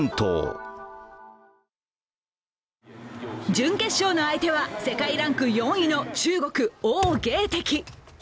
準決勝の相手は世界ランク４位の中国・王ゲイ迪。